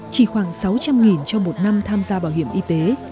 chỉ khoảng sáu trăm linh trong một năm tham gia bảo hiểm y tế